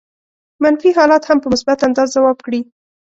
منفي حالات هم په مثبت انداز ځواب کړي.